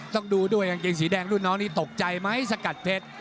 ต้องดูด้วยกางเกงสีแดงรุ่นน้องนี้ตกใจไหมสกัดเพชร